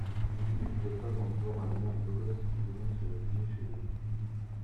Lydie ne pouvait pas en vouloir à la mère et au gosse de venir se réfugier chez elle.